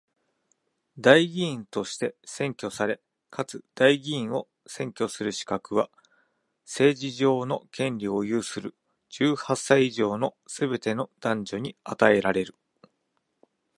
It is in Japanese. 代議員として選挙され、かつ代議員を選挙する資格は、政治上の権利を有する十八歳以上のすべての男女に与えられる。